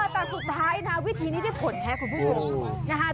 แต่สุดท้ายนะวิธีนี้จะผลแค่คุณผู้ชม